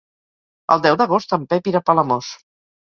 El deu d'agost en Pep irà a Palamós.